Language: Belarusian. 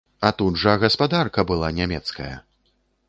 А тут жа гаспадарка была нямецкая!